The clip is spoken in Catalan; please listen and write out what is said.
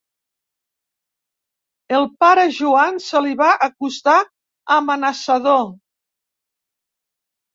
El pare Joan se li va acostar amenaçador.